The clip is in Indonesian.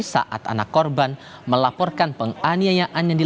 saat anak korban melaporkan pengalaman jasad perempuan yang dikubur di rumahnya sendiri